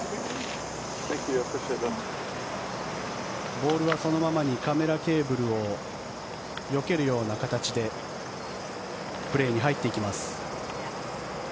ボールはそのままにカメラケーブルをよけるような形でプレーに入っていきます。